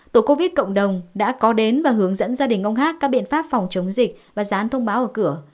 tổ covid cộng đồng đã có đến và hướng dẫn gia đình ông hát các biện pháp phòng chống dịch và dán thông báo ở cửa